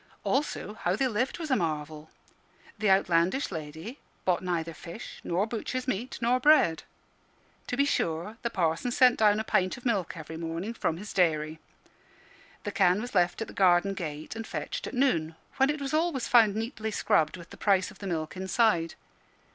Also how they lived was a marvel. The outlandish lady bought neither fish, nor butcher's meat, nor bread. To be sure, the Parson sent down a pint of milk every morning from his dairy; the can was left at the garden gate and fetched at noon, when it was always found neatly scrubbed, with the price of the milk inside.